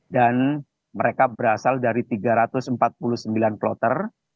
dan mereka berasal dari tiga ratus empat puluh sembilan plotter